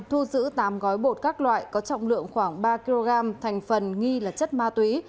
thu giữ tám gói bột các loại có trọng lượng khoảng ba kg thành phần nghi là chất ma túy